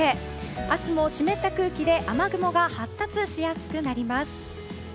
明日も湿った空気で雨雲が発達しやすくなります。